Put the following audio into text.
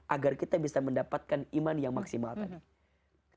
agar kita bisa mendapatkan iman yang maksimal tadi